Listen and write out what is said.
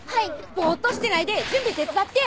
ボーッとしてないで準備手伝って。